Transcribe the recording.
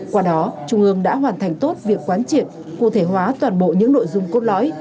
qua đó trung ương đã hoàn thành tốt việc quán triệt cụ thể hóa toàn bộ những nội dung cốt lõi